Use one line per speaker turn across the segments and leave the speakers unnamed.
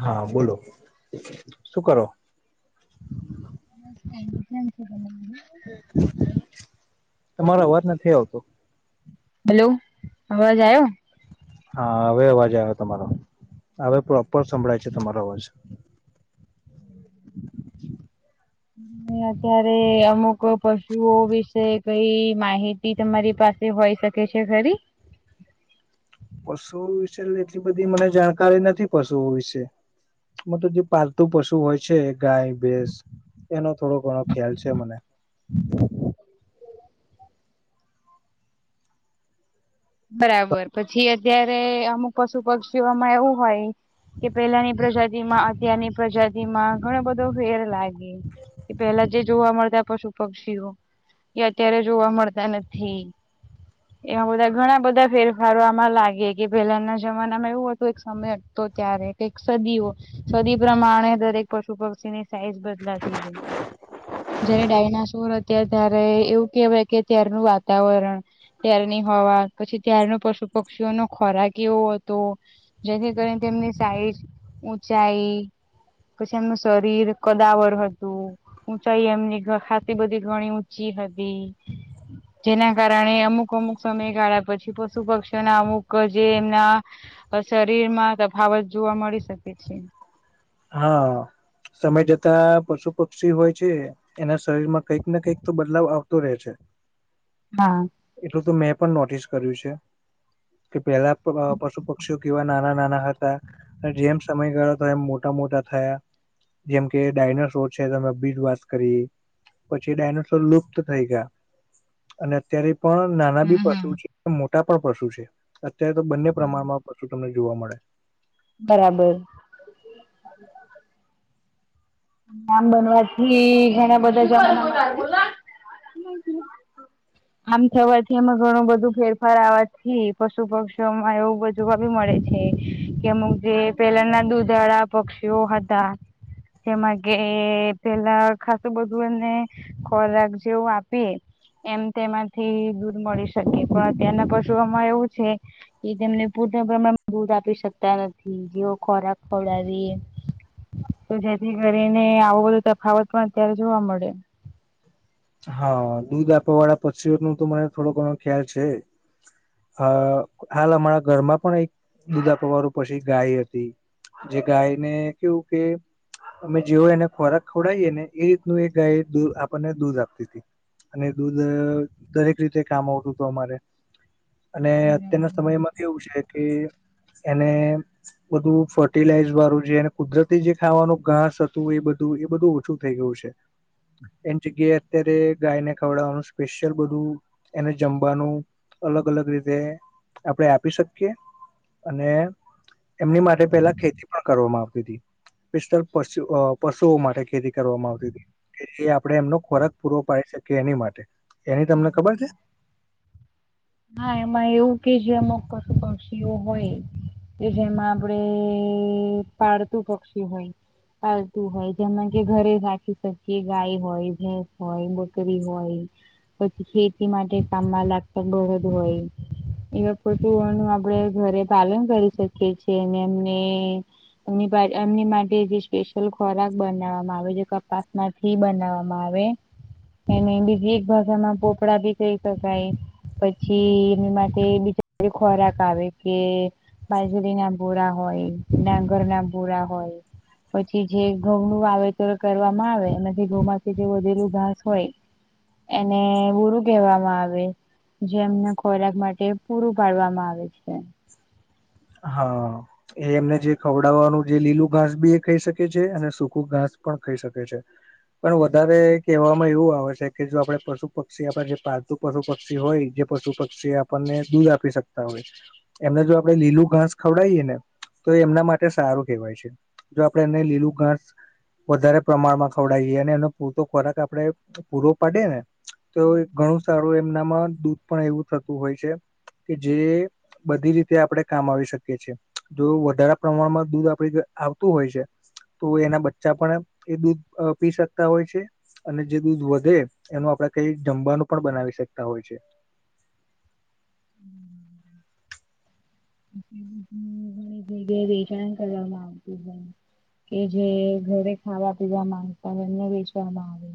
હા બોલો શું કરો?
બસ કઈ ન ધં છે ત મ. [unintelligible]
તમારો અવાજ નથી આવતો.
હલો, અવાજ આવ્યો?
હા હવે અવાજ આવે તમારો, હવે પ્રોપર સંભળાય છે તમારો અવાજ.
અત્યારે અમુક પશુઓ વિશે કઈ માહિતી તમારી પાસે તે હોય શકે છે ખરી?
પશુઓ વિશે એટલી બધી મને જાણકારી નથી પશુઓ વિશે. મતલબ જે પાલતુ પશુ હોય છે ગાય ભેસ, એનો થોડો ઘણો ખ્યાલ છે મને.
હ. બરાબર પછી અત્યારે અમુક પશુ પક્ષીઓ આમાં એવું હોય. કે પેલાની પ્રજાતિ માં અત્યારની પ્રજાતિ માં ઘણો બધો ફેર લાગે. એ પેલા જે જોવા મળતા પશુ પક્ષીઓ. એ અત્યારે જોવા મળતા નથી, એમાં બધા ઘણા બધા ફેરફારો આમાં લાગે કે પહેલાના જમાનામાં એવું હતું એક સમયટતો ત્યારે. સદીઓ સદી પ્રમાણે દરેક. પશુ પક્ષી ની સાઈઝ બદલાતી ગઈ. જયારે ડાયનાસોર હતા ત્યારે એવું કહેવાય કે ત્યારનું વાતાવરણ. ત્યારેની હોવા પછી ત્યારનો પશુ પક્ષીઓનો ખોરાક એવો હતો, જેથી કરીને તેમની સાઈડ ઊંચાઈ, પછી એમનું શરીર કદાવર હતું. ઊંચાઈ એમની ખા બધી ઘણી ઊંચી હતી. જેના કારણે અમુક અમુક સમયગાળા પછી પશુ પક્ષીઓના અમુક જે એમના. તો શરીર માં તફાવત જોવા મળી શકે છે.
હા, સમય જતા પશુ પક્ષી હોય છે. એના શરીર માં કંઈક કંઈક તો બદલાવ આવતો રહે છે.
હા.
એટલું તો મેં પણ નોટિસ કર્યું છે. કે પેલા પશુ પક્ષીઓ કેવા નાના નાના હતા. જેમ સમય ગાળો હતો એમ મોટા મોટા થયા. જેમ કે ડાયનાસોર છે તમે બીજ વાત કરી. પછી ડાયનોસોર લુપ્ત થઈ ગયા. અને અત્યારે પણ નાના બી
હા
પશુ છે મોટા પણ પશુ છે. અત્યારે તો બંને પ્રમાણમાં તમને જોવા મળે.
બરાબર. નામ બનવાથી ઘણા બધા જ આમ થવાથી એમાં ઘણું બધું ફેરફાર આવવાથી પશુ પક્ષીમાં એવું બધ જોવા બી મળે છે, કે અમુક જે પેલાના દૂધવાળા પક્ષીઓ હતા. જેમાં કે પેલા ખાસું બધું એને ખોરાક જેવું આપીએ એમ. તેમાંથી દૂધ મળી શકે પણ અત્યારના પશુઓમાં એવું છે. એ તેમને પૂર પ્રમાણ દૂધ આપી શકતા નથી જેઓ ખોરાક ખવડાવી. તો જેથી કરીને આવો બધો તફાવત પણ અત્યારે જોવા મળે.
હા દૂધ આપવા વાળા પછી ન તો મને થોડો ઘણો ખ્યાલ છે. અ હાલ અમારા ઘરમાં પણ એક દુદા પવારું પછી ગાય હતી. જે ગાયને કેવું કે અમે જેવો એને ખોરાક ખવડીએ ને એ રીતનું એ ગાય આપણને દૂધ આપે. અને દૂધ દરેક રીતે કામ આવતું હત અમારે. અને અત્યારના સમયમાં એવું છે કે એને બધું ફર્ટિલાઈઝ વાળું જેને કુદરતી જે ખાવાનું ઘાસ હતું એ બધું એ બધું ઓછું થઈ ગયું છે, એ ગેટ અત્યારે ગાયને ખવડાવવાનું, સ્પેશિયલ બધું એને જમવાનું. અલગ અલગ રીતે આપણેે આપી શકીએ, અને એમની માટે પેલા ખેતી પણ કરવામાં આવતી હતી. પશુ પશુઓ માટે ખેતી કરવામાં આવતી હતી, એ આપડે એમનો ખોરાક પૂરો પાડી શકે એની માટે, એની તમને ખબર છે.
હા એમાં એવું કે જે અમશ પક્ષીઓ હોય. કે જેમાં આપડે પાળતું પક્ષી હોય. પાલતું હોય જેમાં કે ઘરે રાખી શકીએ ગાય હોય ભેસ હોય બકરી હોય. પછી ખેતી માટે કામમાં લાગતા ગળદ હોય. એવા ફટુંઓ ન આપડે ઘરે પાલન કરી શકીએ છીએ અને એમને. એ એમની માટે જે સ્પેશિયલ ખોરાક બનાવવામાં આવે છે કપાસ માટે. થી બનાવવામાં આવે, અને બીજી એક ભાષામાં પોપડા ભી કહી શકાય. પછી એમની માટે બીજો ખોરાક આવે કે બાજુરી ના ભોરા હોય ડાંગર ના ભોરા હોય. પછી જે ઘઉં નું વાવેતર કરવામાં આવે એથી ઘઉં માંથી જે વધેલું ઘાસ હોય. એને બુરુ કહેવામાં આવે. જે એમને ખોરાક માટે પૂરું પાડવામાં આવે છે.
હા. એ એમને જે ખવડાવવાનું જે લીલું ઘાસ બી એ ખાઈ શકે છે અને સૂકું ઘાસ પણ ખાઈ શકે છે. પણ વધારે કહેવામાં એવું આવે છે કે જો આપડે પશુ પક્ષી આપણે જે પાલતું પશુ પક્ષી હોય જે પશુ પક્ષી આપણને દૂધ આપી શકતા હોય, એમને જો આપડે લીલું ઘાસ ખવડઈએ ને તો એમના માટે સારું કહેવાય છે, જો આપડે એને લીલું ઘાસ વધારે પ્રમાણમાં ખવડઈએ અને એનો પૂરતો ખોરાક આપડણે પૂરો પડે ને. તો ઘણું સારું એમનામાં દૂધ પણ એવું થતું હોય છે. કે જે બધી રીતે આપડે કામ આવી શકી છે, જો વધારેા પ્રમાણમાં દૂધ આપડી આવતું હોય છે. તો એના બચ્ચા પણ એ દૂધ પી શકતા હોય છે. અને જે દૂધ વધે એનું આપડે કઈ જમવાનું પણ બનાવી શકતા હોય છે.
ઘણી જગ્યા વેચાણ કરવામાં આવતું છે. કે જે ઘરે ખાવા પીવા માંગતા એમને વેચવામાં આવે.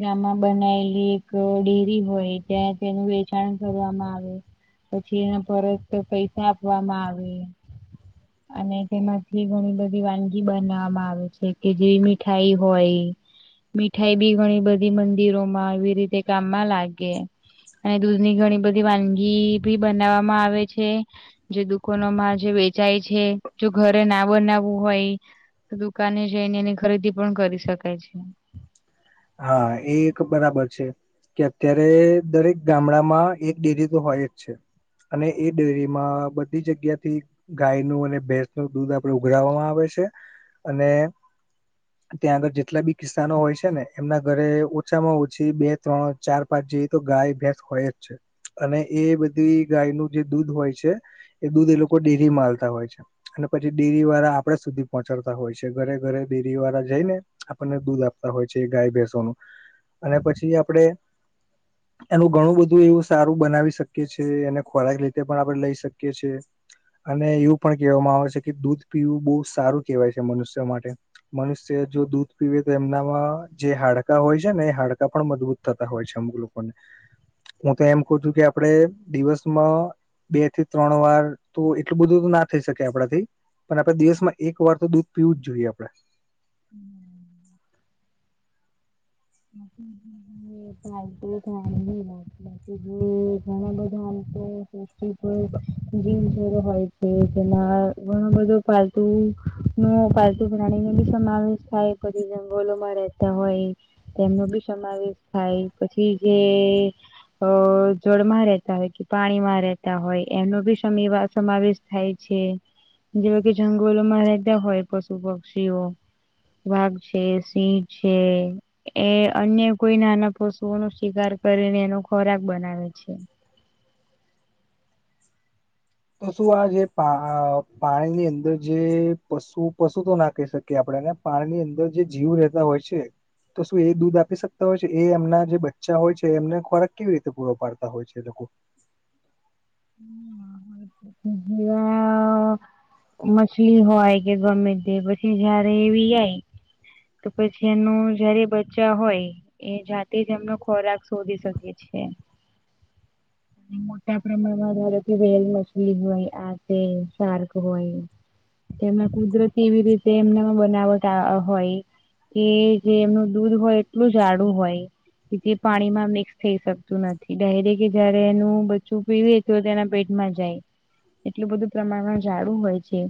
ગામમાં બનાયલી એક ડેરી હોય ત્યાં તેનું વેચાણ કરવામાં આવે. પછી એના પરત પૈસા આપવામાં આવે. અને તેમાંથી ઘણી બધી વાનગી બનાવામાં આવે છે કે જેવી મીઠાઈ હોય. મીઠાઈ બી ઘણી બધી મંદિરોમાં એ રીતે કામમાં લાગે. અને દૂધની ઘણી બધી વાનગી ભી બનાવવામાં આવે છે. જે દુકોનો માં જે વેચાય છે જો ઘરે ના બનાવવું હોય. દુકાને જઈને એની ખરીદી પણ કરી શકાય છે.
હા એ એક બરાબર છે. કે અત્યારે દરેક ગામડામાં એક ડેરી તો હોય જ છે. અને એ ડેરી માં બધી જગ્યા થી ગાય નું અને ભેંસ ન દૂધ આપડ ઉઘરાવામાં આવે છે અને ત્યાં આગળ જેટલા બી કિસ્સાનો હોય છે ને. એમના ઘરે ઓછામાં ઓછી બે ત્રણ ચાર પાંચ જેવી તો ગાય ભેંસ હોય જ છે. અને એ બધી ગાયનું જે દૂધ હોય છે, એ દૂધ એ લોકો ડેરી માલતા હોય છે. અને પછી ડેરી વાળા આપડે સુધી પહોંચાડતા હોય છે ઘરે ઘરે ડેરી વાળા જઈ ને. આપણને દૂધ આપતા હોય છે, ગાય ભેસવાનું અને પછી આપણેે
[inaudible]
એનું ઘણું બધું એવું સારું બનાવી શકીએ એને ખોરાક રીતે પણ આપડે લઈ શકીએ છે. અને એવું પણ કહેવામાં આવે છે કે દૂધ પીવું બહુ સારું કેહેવાય છે મનુષ્ય માટે. મનુષ્ય જો દૂધ પીવે તો એમનામાં જે હાડકા હોય છે ને એ હાડકા પણ મજબૂત થતા હોય છે અમુક લોકોને હું તો એમ કવ છું કે આપડે દિવસમાં બે થી ત્રણ વાર તો એટલું બધું ના થઈ શકે આપડાથી પણ આપડે દિવસમાં એકવાર તો દૂધ પીવું જ જોઈએ આપડે
[inaudible] [inaudible] [unintelligible] [inaudible] હોય છે જેમાં ઘણો બધો પાલતુ નો પાલતુ પ્રાણી નો બી સમાવેશ [unintelligible] કરીને જંગોલો માં રહેતા હોય. તેમનો બી સમાવેશ થાય પછી જે અ જળમાં રહેતા હોય કે પાણીમાં રહેતા હોય એનો બી સમાવેશ થાય છે જેવા કે જંગલોમાં રહેતા હોય પશુ પક્ષીઓ વાઘ છે સિંહ છે. એ અન્ય કોઈ નાના પશુઓનો શિકાર કરીને એનો ખોરાક બનાવે છે.
તો શું આ જે પા પાણીની અંદર જે પશુ પશુ તો ના કહી શકે શકીએ આપડે પાણીની અંદર જે જીવ રહેતા હોય છે. તો શું એ દૂધ આપી શકતા હોય છે એ એમના જે બચ્ચા હોય છે એમને ખોરાક કેવી રીતે પૂરો પાડતા હોય છે એ લોકો.
[unintelligible] મછલી હોય કે ગમે તે પછી જયારે એ વીયાય તો પછી એનું જયારે બચ્ચા હોય એ જાતે જ એમનો ખોરાક શોધી શકે. છે. મોટા પ્રમાણ વેલ મછલી હોય આ સારક હોય તેમને કુદરતી એવી રીતે એમના બનાવટ હોય. એ જે એમનું દૂધ હોય એટલું જાડું હોય. પાણીમાં મિક્સ થઈ શકતું નથી ડાયરેક્ટ જયારે એનું બચું પીવે. તો તેના પેટમાં જાય એટલું બધું પ્રમાણમાં ઝાડુ હોય છે.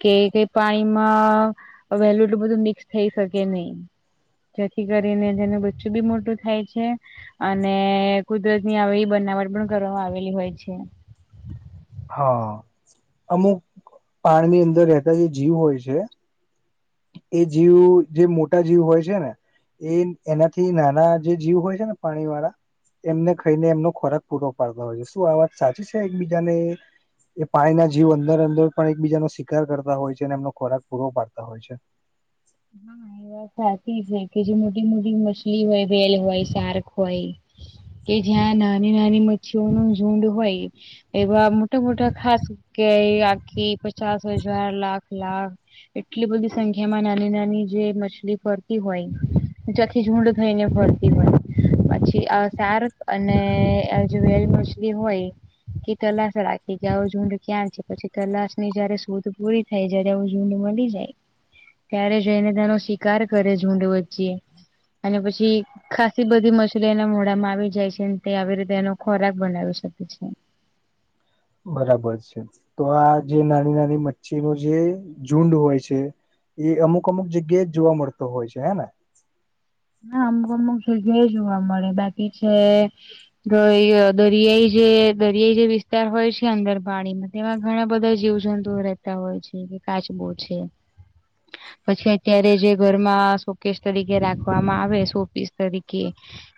કે કઈ પાણીમાં વહેલું એટલું બધું મિક્સ થઈ શકે નહી. જેથી કરીને તેનું બચ્ચું બી મોટું થાય છે. અને કુદરતની આવે બનાવટ પણ કરવામાં આવેલી હોય છે.
હા અમુક પાણીની અંદર રહેતા જે જીવ હોય છે. એ જીવ જે મોટા જીવ હોય છે ને એ એનાથી નાના જે જીવ હોય છે ને પાણીવાળા એમને ખાઈને એમનો ખોરાક પૂરો પાડતો હોય છે શું આ વાત સાચી છે એકબીજાને એ પાણી ના જીવ અંદર અંદર પણ એકબીજાનો શિકાર કરતા હોય છે અને એમનો ખોરાક પૂરો પાડતા હોય છે.
[unintelligible] સાચી છે કે જે મોટી મોટી મછલી હોય વેલ હોય સાર્ક હોય. કે જ્યાં નાની નાની મચ્છીઓનો ઝુંડ હોય. એવા મોટા મોટા ખાસ કે કે પચાસ હજાર લાખ લાખ એટલી બધી સંખ્યામાં નાની નાની જે મછલી ફરતી હોય જે આખી ઝૂડ થઈને ફરતી હોય. પછી સારક અને જો વેલી મછલી હોય. કે તલાશ રાખી જાવ આવ ઝુંડ ક્યાં છે પછી તલાશની જયારે શોધ પૂરી થાય જ્યારે આવું ઝૂંડ મળી જાય ત્યારે જેને તેનો શિકાર કરે ઝૂંડ વચ્ચે અને પછી ખાસસી બધી મછલી એના મોડામાં આવી જાય છે તે આવી રીતે એનો ખોરાક બનાવી શકે છે.
બરાબર છે તો આ જે નાની નાની મચ્છી ન જે ઝુંડ હોય છે. એ અમુક અમુક જગ્યાએ જ જોવા મળતો હોય છે હે ને.
ના અમુક અમુક જગ્યા જોવા મળે બાકી જે દરિયાઈ જે દરિયાઈ જે વિસ્તાર હોય છે અંદર પાણીમાં તેમાં ઘણા બધા જીવ જંતુઓ રહેતા હોય છે કે કાચબો છે. પછી અત્યારે જે ઘરમાં સોપીશ તરીકે રાખ વામાં આવે શો પીસ તરીકે.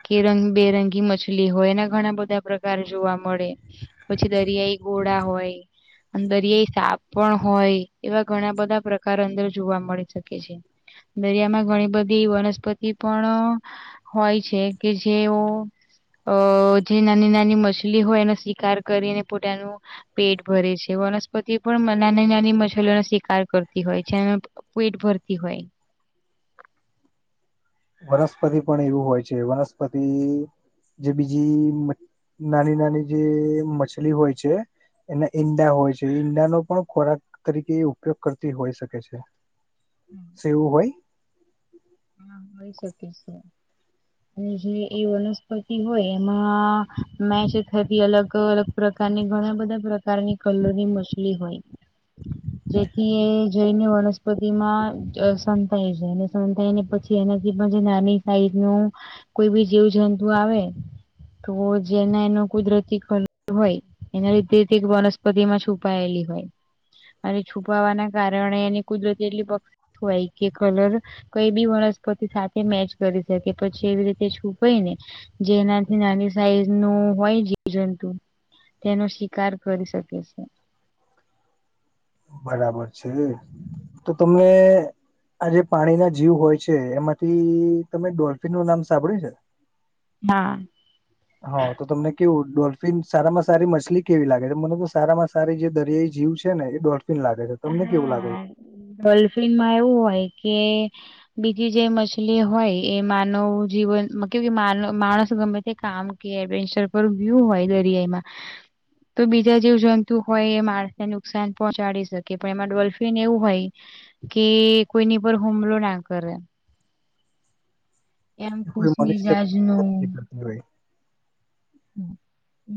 કે રંગ બેરંગી મછલી હોય એના ઘણા બધા પ્રકાર જોવા મળે. પછી દરિયાઈ ઘોડા હોય. અને દરિયાઈ સાપ પણ હોય એવા ઘણા બધા પ્રકાર અંદર જોવા મળી શકે છે. દરિયામાં ઘણી બધી વનસ્પતિ. એ પણ હોય છે કે જેઓ. અ જે નાની નાની મછલી હોય એનો સ્વીિકાર કરીને પોતાનું. પેટ ભરે છે વનસ્પતિ પણ નાની નાની મછલીઓનો શિકાર કરતી હોય છે. પેટ ભરતી હોય.
વનસ્પતિ પણ એવું હોય છે વનસ્પતિ જે બીજી નાની નાની જે મછલી હોય છે. એના ઈંડા હોય છે ઈંડાનો પણ ખોરાક તરીકે એ ઉપયોગ કરતી હોય શકે છે. સે એવું હોય!
હા હોય શકે છે અને જે એ વનસ્પતિ હોય. મેચ થતી અલગ અલગ. પ્રકારની ઘણા બધા પ્રકારની કલરની મછલી હોય. જેથી એ જૈને વનસ્પતિ માં સંતાય જાયને સંતાયને પછી એનાથી પણ નાની સાઈઝ નું કોઈ બી જીવજંતુ આવે તો જેના એનો કુદરતી ખ હોય. એના લીધથી વનસ્પતિ માં છુપાયેલી હોય. અને છુપાવાના કારણે એને કુદરતી એટલી પવાય કે કલર કઈ. બી વનસ્પતિ સાથે મેચ કરી શકે પછી એવી રીતે છુપઈ ને. જેનાથી નાની સાઈઝ નું હોય જીવજંતુ. તેનો શિકાર કરી શકે છે.
બરાબર છે તો તમે આ જે પાણી ના જીવ હોય છે એમાંથી તમે ડોલ્ફિન નું નામ સાંભળ્યું છે!
હા.
હા તો તમને કેવું ડોલ્ફિન સારામાં સારી મછલી કેવી લાગે મને તો સારામાં સારી જે દરિયાઈ જીવ છે. ને એ ડોલ્ફિન લાગે છે તમને કેવું લાગે છે!
ડોલ્ફિન માં એવું હોય કે બીજી જે મછલી હોય એ માનવ જીવન મ કે માન માણસ ગમે તે કામ. એડવેન્ચર પર વ્યુ હોય દરિયાઈમાં. તો બીજા જેવ જંતુ હોય એ માણસને નુકસાન પહોંચાડી શકે. કે પણ એમાં ડોલ્ફિન એવું હોય કે કોઈની પર હુમલો ના કરે. એમ
એ કોઈ મનુષ્ય
ખુશમિજાજ નું
નથી કરતી હોય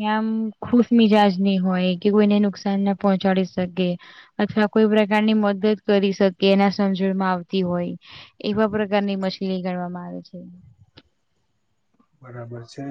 એ આમ ખુશ મિજાજ ન હોય કે કોઈને નુકસાન ના પહોંચાડી શકે. અથવા કોઈ પ્રકારની મદદ કરી શકે એના સમજણમાં આવતી હોય. એવા પ્રકારની મછલી ગણવામાં આવે છે.
બરાબર છે.